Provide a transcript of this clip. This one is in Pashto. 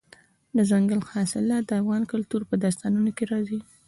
دځنګل حاصلات د افغان کلتور په داستانونو کې راځي.